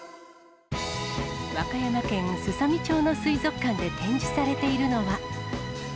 和歌山県すさみ町の水族館で展示されているのは。